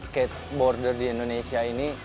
skateboarder di indonesia ini